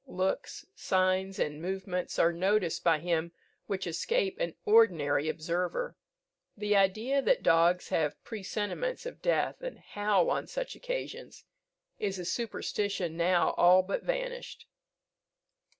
Looks, signs, and movements are noticed by him which escape an ordinary observer. The idea that dogs have presentiments of death, and howl on such occasions, is a superstition now all but vanished.